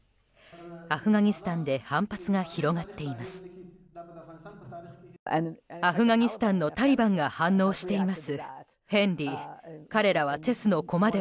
アフガニスタンで反発が広がっています。